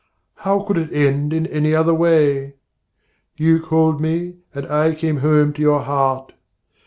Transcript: How could it end in any other way? You called me, and I came home to your heart.